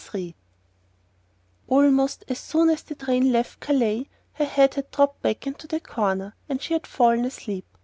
III Almost as soon as the train left Calais her head had dropped back into the corner, and she had fallen asleep.